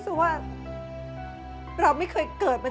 ฉันก็ไม่เคยขัดนะ